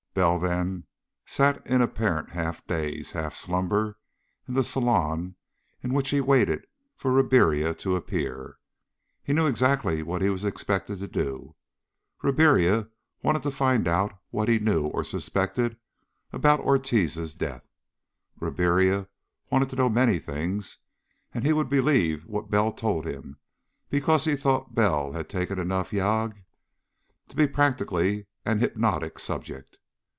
Bell then, sat in an apparent half daze, half slumber, in the salon in which he waited for Ribiera to appear. He knew exactly what he was expected to do. Ribiera wanted to find out what he knew or suspected about Ortiz's death. Ribiera wanted to know many things, and he would believe what Bell told him because he thought Bell had taken enough yagué to be practically an hypnotic subject.